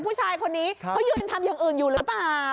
ผู้ชายคนนี้เขายืนทำอย่างอื่นอยู่หรือเปล่า